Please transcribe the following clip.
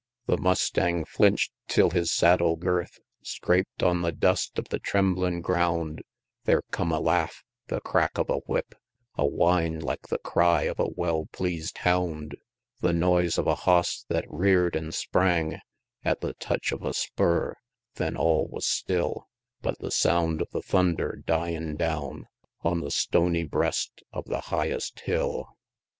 LII. The mustang flinch'd till his saddle girth Scrap'd on the dust of the tremblin' ground There cum a laugh the crack of a whip, A whine like the cry of a well pleas'd hound, The noise of a hoss thet rear'd an' sprang At the touch of a spur then all was still; But the sound of the thunder dyin' down On the stony breast of the highest hill! LIII.